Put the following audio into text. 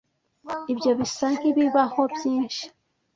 Ibyo bisa nkibibaho byinshi.